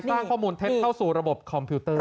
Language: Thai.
สร้างข้อมูลเท็จเข้าสู่ระบบคอมพิวเตอร์